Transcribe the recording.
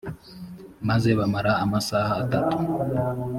maze bamara amasaha atatu